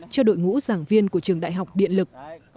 cho đội ngũ giảng viên của trường đại học điện lực